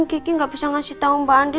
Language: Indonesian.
geki gak bisa ngasih tau mbak andi